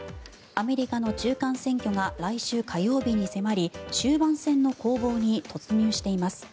アメリカの中間選挙が来週火曜日に迫り終盤戦の攻防に突入しています。